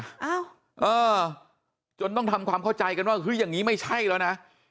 เอ้าเออจนต้องทำความเข้าใจกันว่าเฮ้ยอย่างนี้ไม่ใช่แล้วนะ